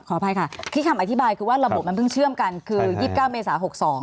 อภัยค่ะที่คำอธิบายคือว่าระบบมันเพิ่งเชื่อมกันคือ๒๙เมษา๖๒